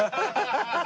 ハハハハ！